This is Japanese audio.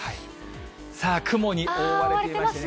さあ、雲に覆われていますね。